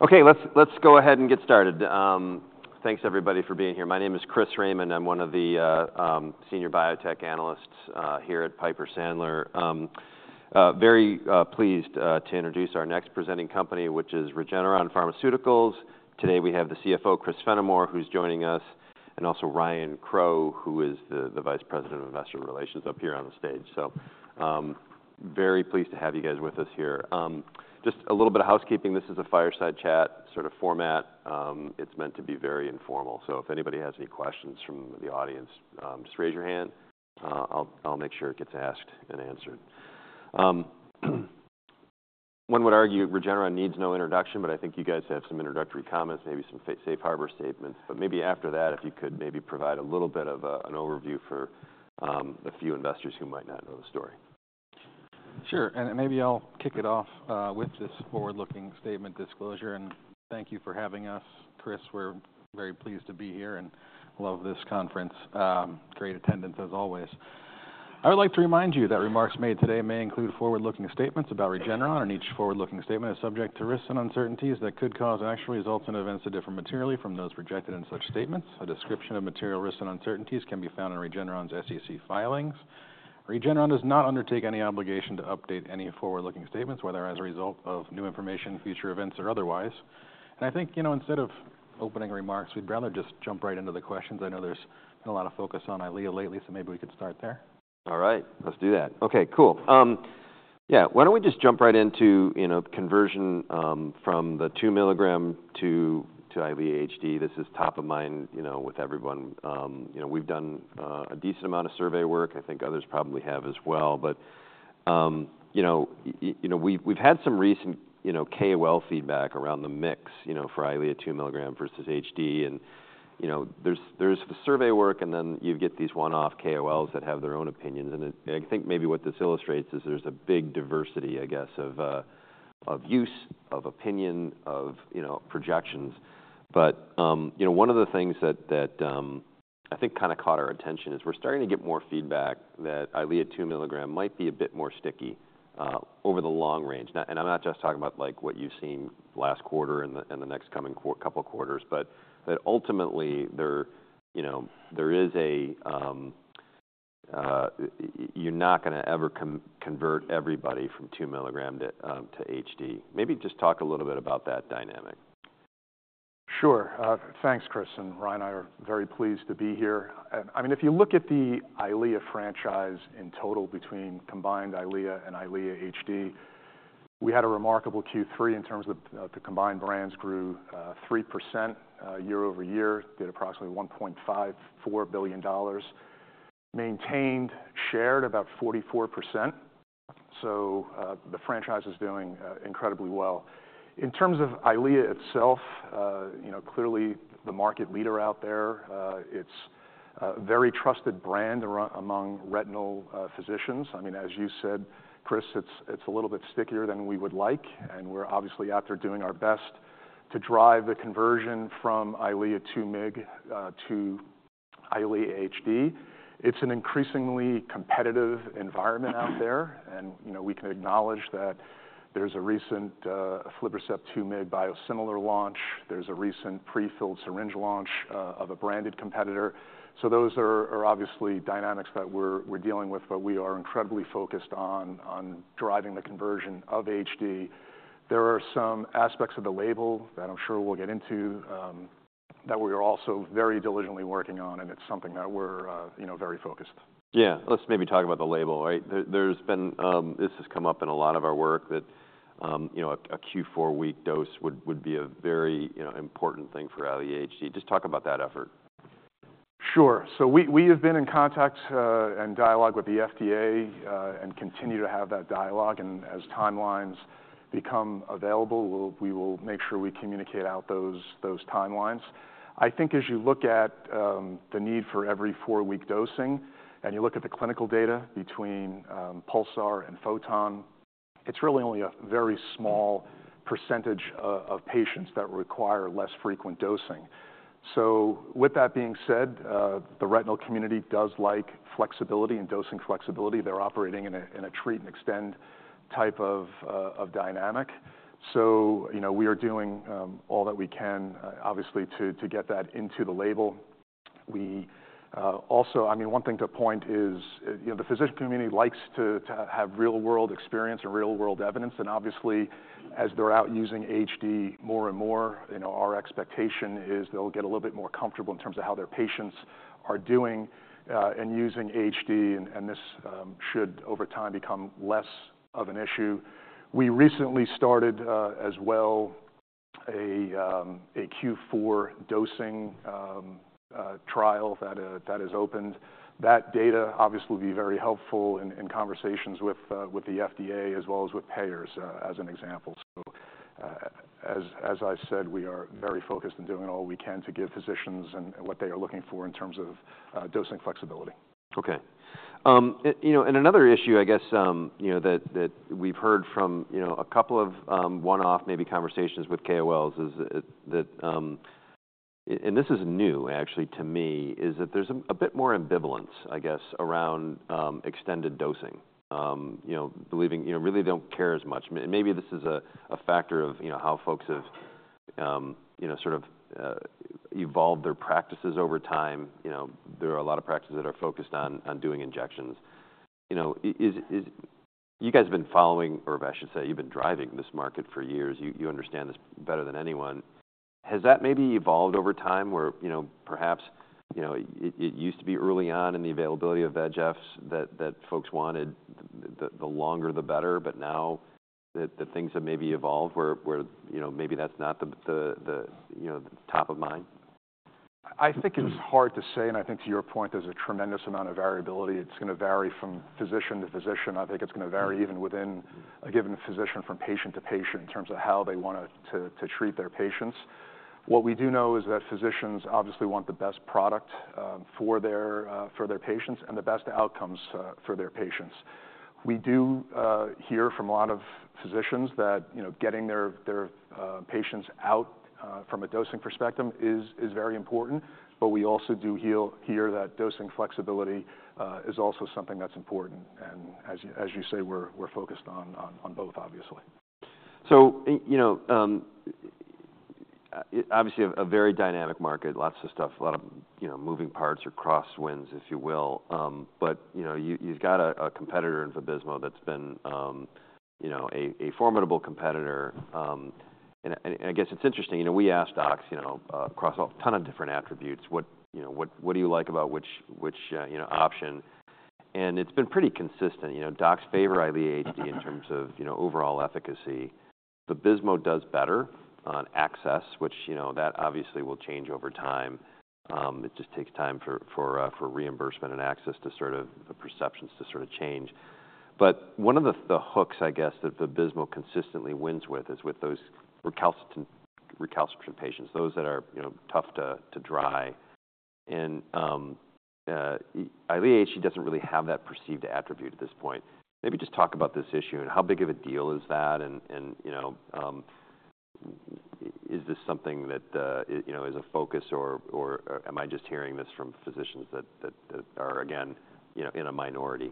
Okay, let's go ahead and get started. Thanks, everybody, for being here. My name is Chris Raymond. I'm one of the senior biotech analysts here at Piper Sandler. Very pleased to introduce our next presenting company, which is Regeneron Pharmaceuticals. Today we have the CFO, Chris Fenimore, who's joining us, and also Ryan Crowe, who is the Vice President of Investor Relations up here on the stage. So very pleased to have you guys with us here. Just a little bit of housekeeping. This is a fireside chat sort of format. It's meant to be very informal. So if anybody has any questions from the audience, just raise your hand. I'll make sure it gets asked and answered. One would argue Regeneron needs no introduction, but I think you guys have some introductory comments, maybe some safe harbor statements. But maybe after that, if you could maybe provide a little bit of an overview for a few investors who might not know the story. Sure. And maybe I'll kick it off with this forward-looking statement disclosure. And thank you for having us, Chris. We're very pleased to be here and love this conference. Great attendance, as always. I would like to remind you that remarks made today may include forward-looking statements about Regeneron, and each forward-looking statement is subject to risks and uncertainties that could cause actual results and events to differ materially from those projected in such statements. A description of material risks and uncertainties can be found in Regeneron's SEC filings. Regeneron does not undertake any obligation to update any forward-looking statements, whether as a result of new information, future events, or otherwise. And I think, you know, instead of opening remarks, we'd rather just jump right into the questions. I know there's been a lot of focus on Eylea lately, so maybe we could start there. All right, let's do that. Okay, cool. Yeah, why don't we just jump right into conversion from the 2 milligram to Eylea HD? This is top of mind with everyone. We've done a decent amount of survey work. I think others probably have as well. But we've had some recent KOL feedback around the mix for Eylea 2 milligram versus HD. And there's the survey work, and then you get these one-off KOLs that have their own opinions. And I think maybe what this illustrates is there's a big diversity, I guess, of use, of opinion, of projections. But one of the things that I think kind of caught our attention is we're starting to get more feedback that Eylea 2 milligram might be a bit more sticky over the long range. I'm not just talking about what you've seen last quarter and the next coming couple of quarters, but that ultimately there is a. You're not going to ever convert everybody from two milligram to HD. Maybe just talk a little bit about that dynamic. Sure. Thanks, Chris. And Ryan and I are very pleased to be here. I mean, if you look at the Eylea franchise in total between combined Eylea and Eylea HD, we had a remarkable Q3 in terms of the combined brands grew 3% year over year, did approximately $1.54 billion, maintained share about 44%. So the franchise is doing incredibly well. In terms of Eylea itself, clearly the market leader out there. It's a very trusted brand among retinal physicians. I mean, as you said, Chris, it's a little bit stickier than we would like. And we're obviously out there doing our best to drive the conversion from Eylea 2 mg to Eylea HD. It's an increasingly competitive environment out there. And we can acknowledge that there's a recent aflibercept 2 mg biosimilar launch. There's a recent prefilled syringe launch of a branded competitor. Those are obviously dynamics that we're dealing with, but we are incredibly focused on driving the conversion of HD. There are some aspects of the label that I'm sure we'll get into that we are also very diligently working on, and it's something that we're very focused. Yeah, let's maybe talk about the label, right? This has come up in a lot of our work that a Q4 week dose would be a very important thing for Eylea HD. Just talk about that effort. Sure, we have been in contact and dialogue with the FDA and continue to have that dialogue. As timelines become available, we will make sure we communicate out those timelines. I think as you look at the need for every four-week dosing and you look at the clinical data between PULSAR and PHOTON, it's really only a very small percentage of patients that require less frequent dosing. With that being said, the retinal community does like flexibility and dosing flexibility. They're operating in a treat and extend type of dynamic. We are doing all that we can, obviously, to get that into the label. I mean, one thing to point out is the physician community likes to have real-world experience and real-world evidence. Obviously, as they're out using HD more and more, our expectation is they'll get a little bit more comfortable in terms of how their patients are doing and using HD. This should, over time, become less of an issue. We recently started as well a Q4 dosing trial that has opened. That data obviously will be very helpful in conversations with the FDA as well as with payers as an example. As I said, we are very focused and doing all we can to give physicians what they are looking for in terms of dosing flexibility. Okay. And another issue, I guess, that we've heard from a couple of one-off maybe conversations with KOLs is that, and this is new actually to me, is that there's a bit more ambivalence, I guess, around extended dosing, believing really they don't care as much. And maybe this is a factor of how folks have sort of evolved their practices over time. There are a lot of practices that are focused on doing injections. You guys have been following, or I should say you've been driving this market for years. You understand this better than anyone. Has that maybe evolved over time where perhaps it used to be early on in the availability of VEGFs that folks wanted the longer the better, but now the things have maybe evolved where maybe that's not the top of mind? I think it's hard to say. And I think to your point, there's a tremendous amount of variability. It's going to vary from physician to physician. I think it's going to vary even within a given physician from patient to patient in terms of how they want to treat their patients. What we do know is that physicians obviously want the best product for their patients and the best outcomes for their patients. We do hear from a lot of physicians that getting their patients out from a dosing perspective is very important. But we also do hear that dosing flexibility is also something that's important. And as you say, we're focused on both, obviously. Obviously a very dynamic market, lots of stuff, a lot of moving parts or crosswinds, if you will. But you've got a competitor in Vabysmo that's been a formidable competitor. And I guess it's interesting. We asked docs across a ton of different attributes, what do you like about which option? And it's been pretty consistent. Docs favor Eylea HD in terms of overall efficacy. Vabysmo does better on access, which that obviously will change over time. It just takes time for reimbursement and access to sort of perceptions to sort of change. But one of the hooks, I guess, that Vabysmo consistently wins with is with those recalcitrant patients, those that are tough to dry. And Eylea HD doesn't really have that perceived attribute at this point. Maybe just talk about this issue. And how big of a deal is that? Is this something that is a focus, or am I just hearing this from physicians that are, again, in a minority?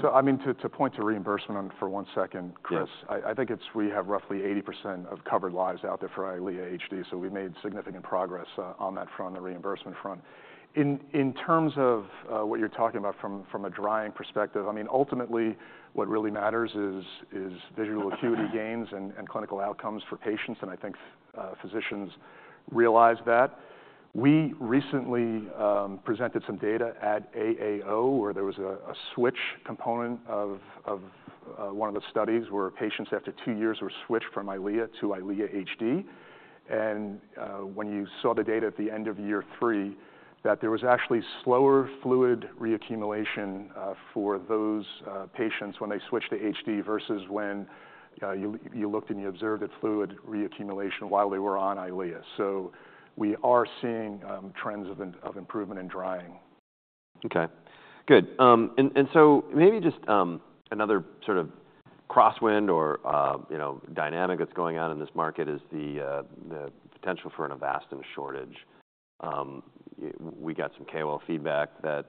So I mean, to point to reimbursement for one second, Chris. I think we have roughly 80% of covered lives out there for Eylea HD. So we've made significant progress on that front, the reimbursement front. In terms of what you're talking about from a drying perspective, I mean, ultimately what really matters is visual acuity gains and clinical outcomes for patients. And I think physicians realize that. We recently presented some data at AAO, where there was a switch component of one of the studies where patients after two years were switched from Eylea to Eylea HD. And when you saw the data at the end of year three, that there was actually slower fluid reaccumulation for those patients when they switched to HD versus when you looked and you observed fluid reaccumulation while they were on Eylea. So we are seeing trends of improvement in drying. Okay, good. And so maybe just another sort of crosswind or dynamic that's going on in this market is the potential for an Avastin shortage. We got some KOL feedback that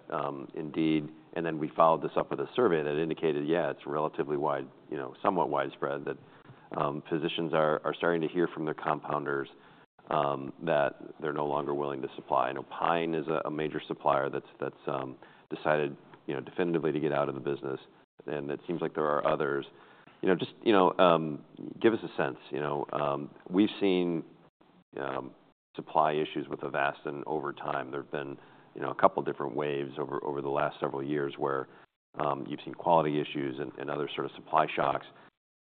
indeed, and then we followed this up with a survey that indicated, yeah, it's relatively wide, somewhat widespread that physicians are starting to hear from their compounders that they're no longer willing to supply. And Pine is a major supplier that's decided definitively to get out of the business. And it seems like there are others. Just give us a sense. We've seen supply issues with Avastin over time. There have been a couple of different waves over the last several years where you've seen quality issues and other sort of supply shocks.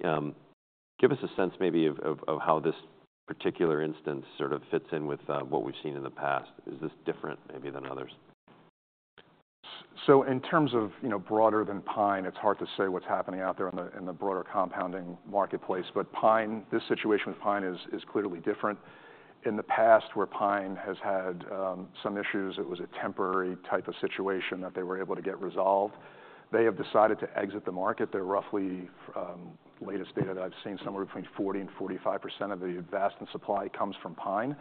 Give us a sense maybe of how this particular instance sort of fits in with what we've seen in the past. Is this different maybe than others? So in terms of broader than Pine, it's hard to say what's happening out there in the broader compounding marketplace. But this situation with Pine is clearly different. In the past, where Pine has had some issues, it was a temporary type of situation that they were able to get resolved. They have decided to exit the market. Their roughly latest data that I've seen, somewhere between 40% and 45% of the Avastin supply comes from Pine.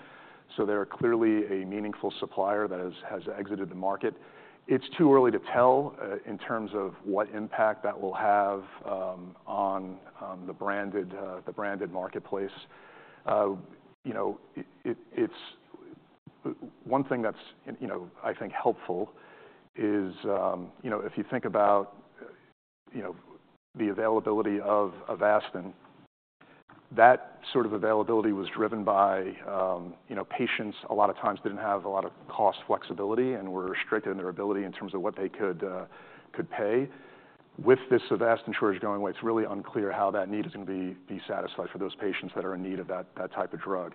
So they're clearly a meaningful supplier that has exited the market. It's too early to tell in terms of what impact that will have on the branded marketplace. One thing that's, I think, helpful is if you think about the availability of Avastin. That sort of availability was driven by patients a lot of times didn't have a lot of cost flexibility and were restricted in their ability in terms of what they could pay. With this Avastin shortage going away, it's really unclear how that need is going to be satisfied for those patients that are in need of that type of drug.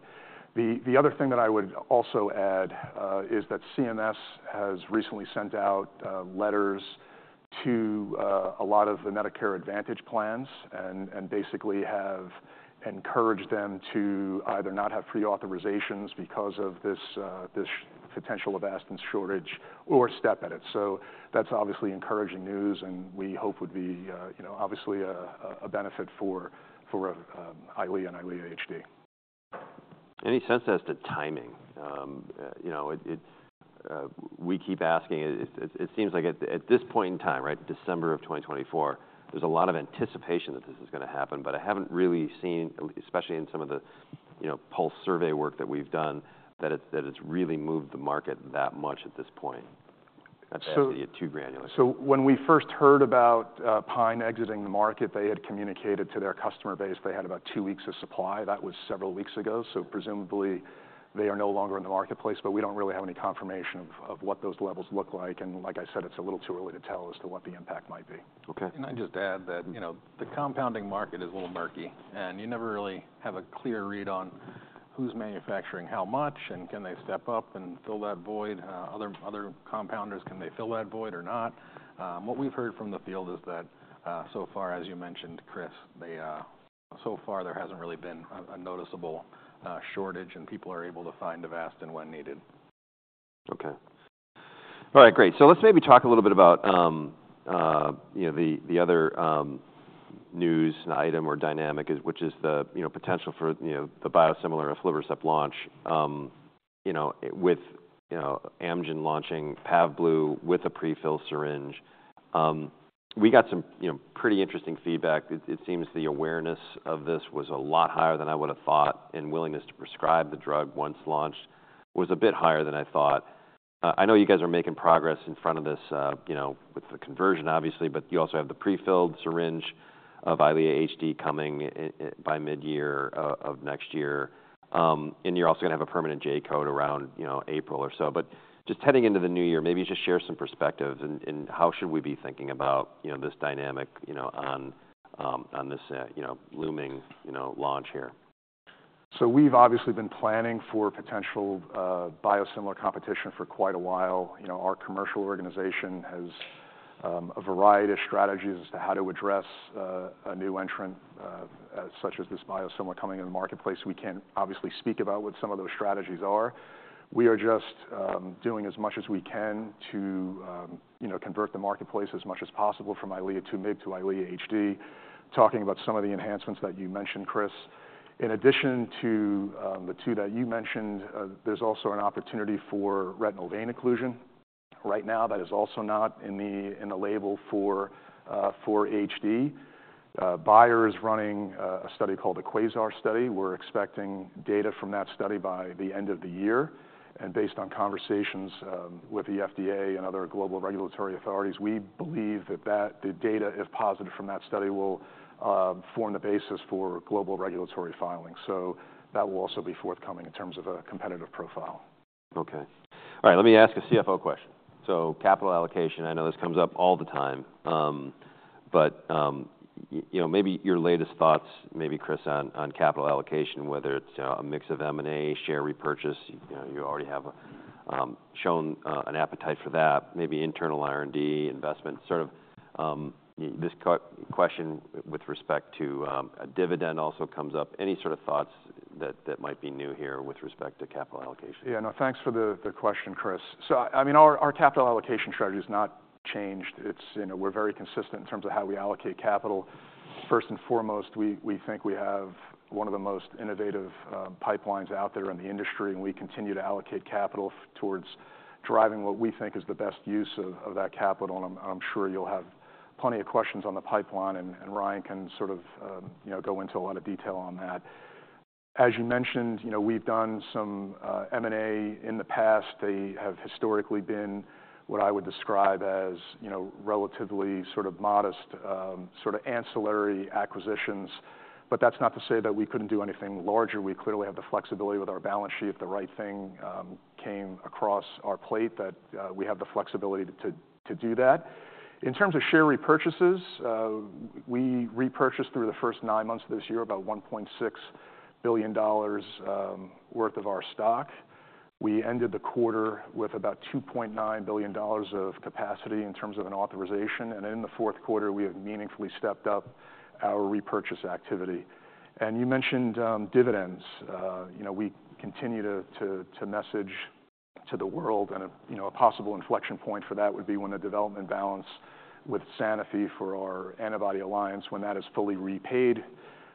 The other thing that I would also add is that CMS has recently sent out letters to a lot of the Medicare Advantage plans and basically have encouraged them to either not have pre-authorizations because of this potential Avastin shortage or step-edit it, so that's obviously encouraging news and we hope would be obviously a benefit for Eylea and Eylea HD. Any sense as to timing? We keep asking. It seems like at this point in time, right, December of 2024, there's a lot of anticipation that this is going to happen. But I haven't really seen, especially in some of the pulse survey work that we've done, that it's really moved the market that much at this point. That's actually too granular. So when we first heard about Pine exiting the market, they had communicated to their customer base they had about two weeks of supply. That was several weeks ago. So presumably they are no longer in the marketplace. But we don't really have any confirmation of what those levels look like. And like I said, it's a little too early to tell as to what the impact might be. Okay. I'd just add that the compounding market is a little murky. You never really have a clear read on who's manufacturing how much and can they step up and fill that void? Other compounders, can they fill that void or not? What we've heard from the field is that so far, as you mentioned, Chris, so far there hasn't really been a noticeable shortage and people are able to find Avastin when needed. Okay. All right, great. So let's maybe talk a little bit about the other news and item or dynamic, which is the potential for the biosimilar of aflibercept launch with Amgen launching Pavblu with a prefilled syringe. We got some pretty interesting feedback. It seems the awareness of this was a lot higher than I would have thought and willingness to prescribe the drug once launched was a bit higher than I thought. I know you guys are making progress in front of this with the conversion, obviously, but you also have the prefilled syringe of Eylea HD coming by mid-year of next year. And you're also going to have a permanent J code around April or so. But just heading into the new year, maybe just share some perspectives and how should we be thinking about this dynamic on this looming launch here? So we've obviously been planning for potential biosimilar competition for quite a while. Our commercial organization has a variety of strategies as to how to address a new entrant such as this biosimilar coming in the marketplace. We can't obviously speak about what some of those strategies are. We are just doing as much as we can to convert the marketplace as much as possible from Eylea to Eylea HD, talking about some of the enhancements that you mentioned, Chris. In addition to the two that you mentioned, there's also an opportunity for retinal vein occlusion. Right now, that is also not in the label for HD. Bayer is running a study called the QUASAR study. We're expecting data from that study by the end of the year. And based on conversations with the FDA and other global regulatory authorities, we believe that the data, if positive from that study, will form the basis for global regulatory filing. So that will also be forthcoming in terms of a competitive profile. Okay. All right, let me ask a CFO question. So capital allocation, I know this comes up all the time. But maybe your latest thoughts, maybe, Chris, on capital allocation, whether it's a mix of M&A, share repurchase. You already have shown an appetite for that, maybe internal R&D investment. Sort of this question with respect to a dividend also comes up. Any sort of thoughts that might be new here with respect to capital allocation? Yeah, no, thanks for the question, Chris. So I mean, our capital allocation strategy has not changed. We're very consistent in terms of how we allocate capital. First and foremost, we think we have one of the most innovative pipelines out there in the industry. And we continue to allocate capital towards driving what we think is the best use of that capital. And I'm sure you'll have plenty of questions on the pipeline. And Ryan can sort of go into a lot of detail on that. As you mentioned, we've done some M&A in the past. They have historically been what I would describe as relatively sort of modest sort of ancillary acquisitions. But that's not to say that we couldn't do anything larger. We clearly have the flexibility with our balance sheet. The right thing came across our plate that we have the flexibility to do that. In terms of share repurchases, we repurchased through the first nine months of this year about $1.6 billion worth of our stock. We ended the quarter with about $2.9 billion of capacity in terms of an authorization. And in the fourth quarter, we have meaningfully stepped up our repurchase activity. And you mentioned dividends. We continue to message to the world. And a possible inflection point for that would be when the development balance with Sanofi for our antibody alliance, when that is fully repaid,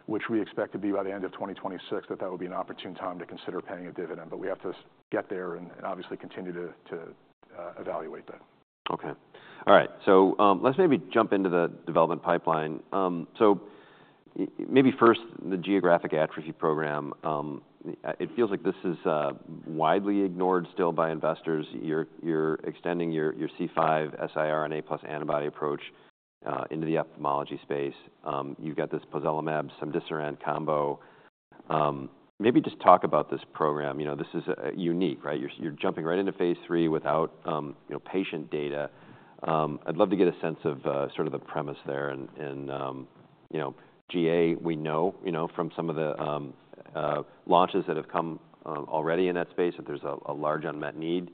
which we expect to be by the end of 2026, that that would be an opportune time to consider paying a dividend. But we have to get there and obviously continue to evaluate that. Okay. All right. So let's maybe jump into the development pipeline. So maybe first, the geographic atrophy program. It feels like this is widely ignored still by investors. You're extending your C5 siRNA plus antibody approach into the ophthalmology space. You've got this pozelimab, cemdisiran combo. Maybe just talk about this program. This is unique, right? You're jumping right into phase 3 without patient data. I'd love to get a sense of sort of the premise there. And GA, we know from some of the launches that have come already in that space that there's a large unmet need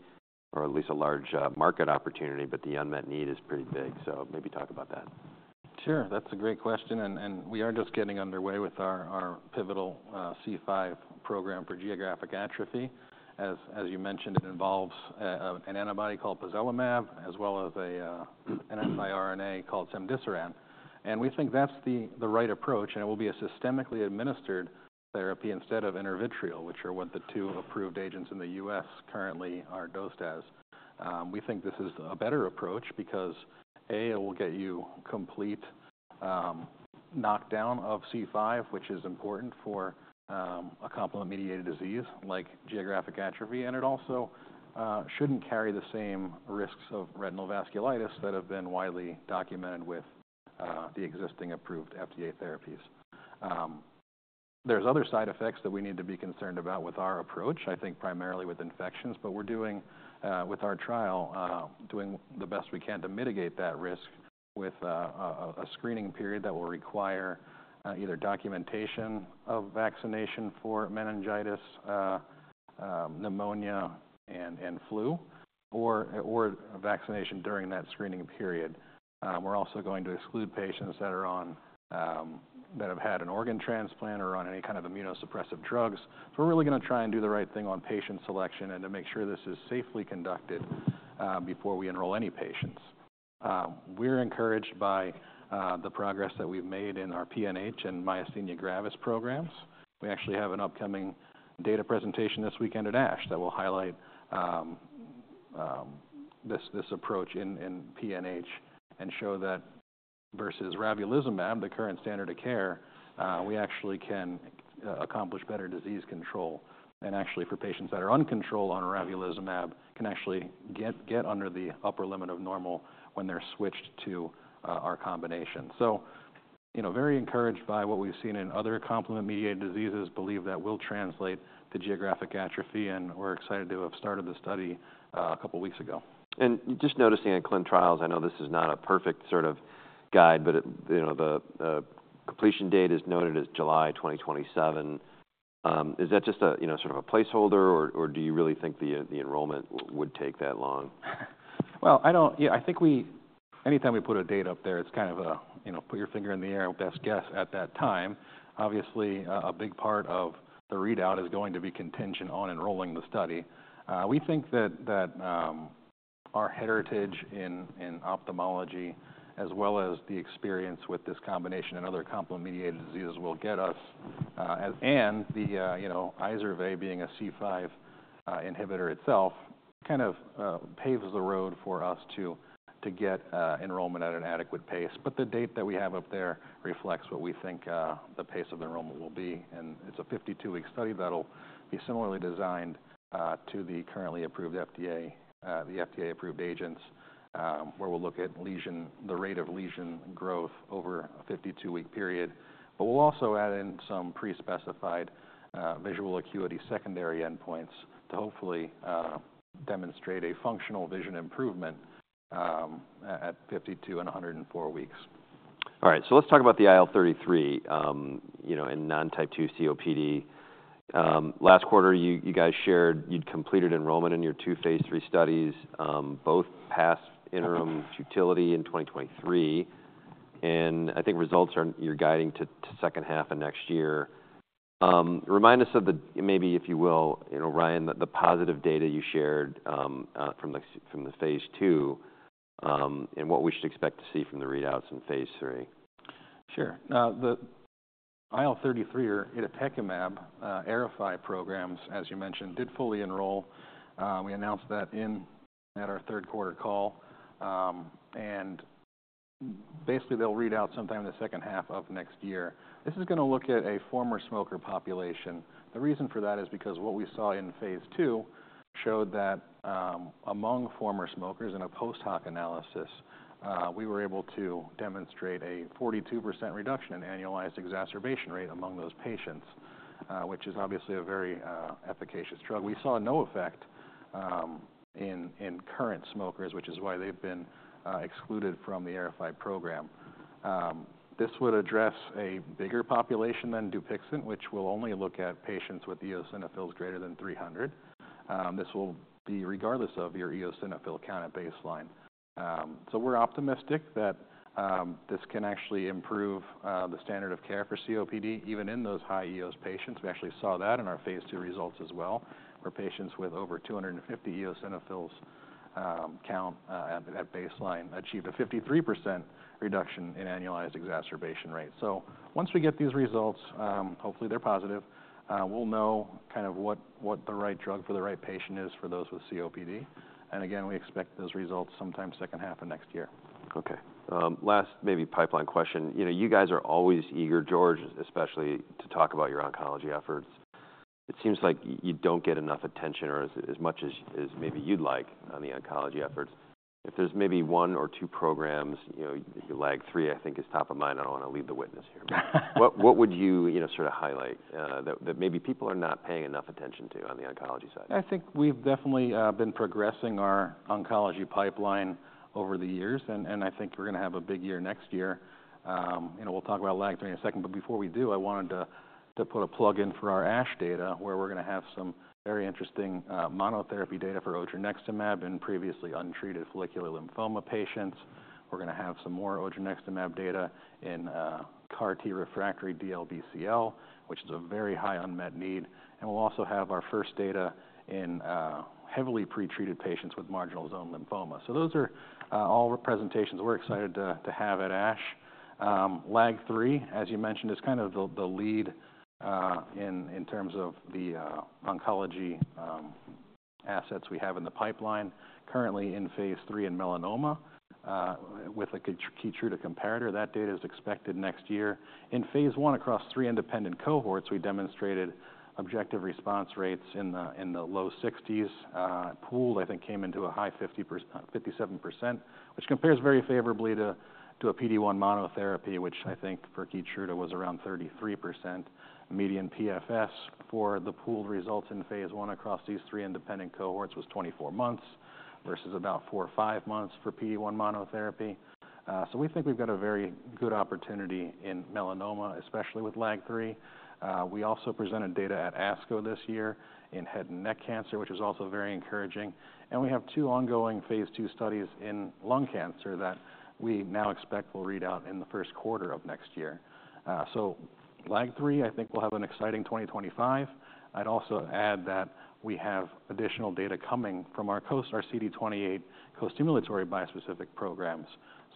or at least a large market opportunity. But the unmet need is pretty big. So maybe talk about that. Sure. That's a great question. And we are just getting underway with our pivotal C5 program for geographic atrophy. As you mentioned, it involves an antibody called pozelimab as well as an siRNA called cemdisiran. And we think that's the right approach. And it will be a systemically administered therapy instead of intravitreal, which are what the two approved agents in the U.S. currently are dosed as. We think this is a better approach because, A, it will get you complete knockdown of C5, which is important for a complement-mediated disease like geographic atrophy. And it also shouldn't carry the same risks of retinal vasculitis that have been widely documented with the existing approved FDA therapies. There's other side effects that we need to be concerned about with our approach, I think primarily with infections. But we're doing, with our trial, the best we can to mitigate that risk with a screening period that will require either documentation of vaccination for meningitis, pneumonia, and flu, or vaccination during that screening period. We're also going to exclude patients that have had an organ transplant or on any kind of immunosuppressive drugs. So we're really going to try and do the right thing on patient selection and to make sure this is safely conducted before we enroll any patients. We're encouraged by the progress that we've made in our PNH and myasthenia gravis programs. We actually have an upcoming data presentation this weekend at ASH that will highlight this approach in PNH and show that versus ravulizumab, the current standard of care, we actually can accomplish better disease control. And actually, for patients that are uncontrolled on ravulizumab, can actually get under the upper limit of normal when they're switched to our combination. So very encouraged by what we've seen in other complement-mediated diseases, believe that will translate to geographic atrophy. And we're excited to have started the study a couple of weeks ago. Just noticing at ClinicalTrials, I know this is not a perfect sort of guide, but the completion date is noted as July 2027. Is that just sort of a placeholder, or do you really think the enrollment would take that long? I think anytime we put a date up there, it's kind of a put your finger in the air best guess at that time. Obviously, a big part of the readout is going to be contingent on enrolling the study. We think that our heritage in ophthalmology, as well as the experience with this combination and other complement-mediated diseases, will get us, and the Izervay being a C5 inhibitor itself, kind of paves the road for us to get enrollment at an adequate pace. But the date that we have up there reflects what we think the pace of enrollment will be. And it's a 52-week study that'll be similarly designed to the currently approved FDA-approved agents, where we'll look at the rate of lesion growth over a 52-week period. But we'll also add in some pre-specified visual acuity secondary endpoints to hopefully demonstrate a functional vision improvement at 52 and 104 weeks. All right, so let's talk about the IL-33 and non-type 2 COPD. Last quarter, you guys shared you'd completed enrollment in your two phase three studies, both past interim futility in 2023, and I think results are you're guiding to second half of next year. Remind us of the, maybe if you will, Ryan, the positive data you shared from the phase two and what we should expect to see from the readouts in phase three. Sure. Now, the IL-33 or itepekimab, AERIFY programs, as you mentioned, did fully enroll. We announced that at our third quarter call, and basically, they'll read out sometime in the second half of next year. This is going to look at a former smoker population. The reason for that is because what we saw in phase two showed that among former smokers in a post-hoc analysis, we were able to demonstrate a 42% reduction in annualized exacerbation rate among those patients, which is obviously a very efficacious drug. We saw no effect in current smokers, which is why they've been excluded from the AERIFY program. This would address a bigger population than Dupixent, which will only look at patients with eosinophils greater than 300. This will be regardless of your eosinophil count at baseline. So we're optimistic that this can actually improve the standard of care for COPD, even in those high eos patients. We actually saw that in our phase two results as well, where patients with over 250 eosinophil count at baseline achieved a 53% reduction in annualized exacerbation rate. So once we get these results, hopefully they're positive, we'll know kind of what the right drug for the right patient is for those with COPD. And again, we expect those results sometime second half of next year. Okay. Last, maybe, pipeline question. You guys are always eager, George, especially to talk about your oncology efforts. It seems like you don't get enough attention or as much as maybe you'd like on the oncology efforts. If there's maybe one or two programs, LAG-3, I think, is top of mind. I don't want to lead the witness here. What would you sort of highlight that maybe people are not paying enough attention to on the oncology side? I think we've definitely been progressing our oncology pipeline over the years. And I think we're going to have a big year next year. We'll talk about LAG-3 in a second. But before we do, I wanted to put a plug in for our ASH data, where we're going to have some very interesting monotherapy data for odronextamab in previously untreated follicular lymphoma patients. We're going to have some more odronextamab data in CAR T refractory DLBCL, which is a very high unmet need. And we'll also have our first data in heavily pretreated patients with marginal zone lymphoma. So those are all presentations we're excited to have at ASH. LAG-3, as you mentioned, is kind of the lead in terms of the oncology assets we have in the pipeline, currently in phase three in melanoma with a Keytruda comparator. That data is expected next year. In phase one across three independent cohorts, we demonstrated objective response rates in the low 60s. Pooled, I think, came into a high 57%, which compares very favorably to a PD-1 monotherapy, which I think for Keytruda was around 33%. Median PFS for the pooled results in phase one across these three independent cohorts was 24 months versus about four or five months for PD-1 monotherapy. So we think we've got a very good opportunity in melanoma, especially with LAG-3. We also presented data at ASCO this year in head and neck cancer, which is also very encouraging. And we have two ongoing phase two studies in lung cancer that we now expect will read out in the first quarter of next year. So LAG-3, I think, will have an exciting 2025. I'd also add that we have additional data coming from our CD28 co-stimulatory bispecific programs.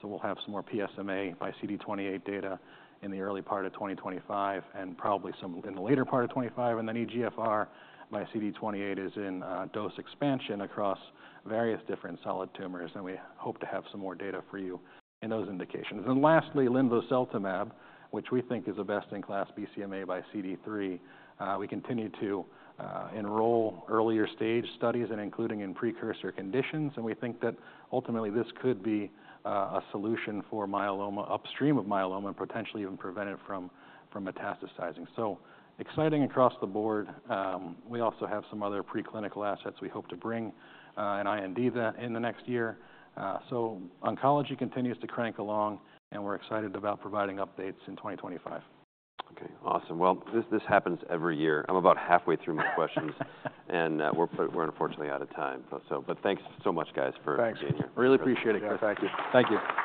So we'll have some more PSMA by CD28 data in the early part of 2025 and probably some in the later part of 2025. And then EGFR by CD28 is in dose expansion across various different solid tumors. And we hope to have some more data for you in those indications. And lastly, linvoseltamab, which we think is a best-in-class BCMA by CD3. We continue to enroll earlier stage studies, including in precursor conditions. And we think that ultimately this could be a solution for myeloma upstream of myeloma and potentially even prevent it from metastasizing. So exciting across the board. We also have some other preclinical assets we hope to bring an IND in the next year. So oncology continues to crank along. And we're excited about providing updates in 2025. Okay. Awesome. Well, this happens every year. I'm about halfway through my questions. And we're unfortunately out of time. But thanks so much, guys, for being here. Thanks. Really appreciate it, guys. Thank you. Thank you.